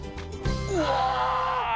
うわ！